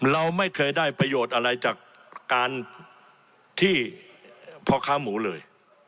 เราไม่เคยได้ประโยชน์อะไรจากการที่พ่อค้าหมูเลย